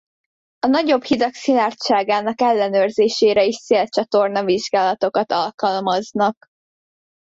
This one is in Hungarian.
A nagyobb hidak szilárdságának ellenőrzésére is szélcsatorna vizsgálatokat alkalmaznak.